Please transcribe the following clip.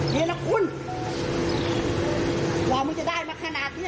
นี่นะคุณว่ามึงจะได้มาขนาดนี่